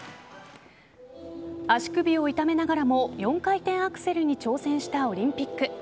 足首を痛めながらも４回転アクセルに挑戦したオリンピック。